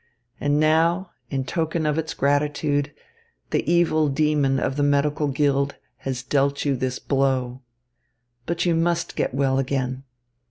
And now, in token of its gratitude, the evil demon of the medical guild has dealt you this blow. But you must get well again.